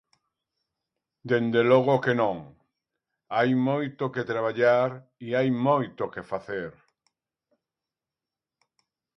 Dende logo que non, hai moito que traballar e hai moito que facer.